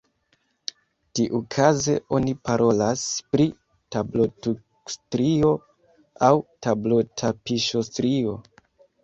Tiukaze oni parolas pri tablotukstrio aŭ tablotapiŝostrio.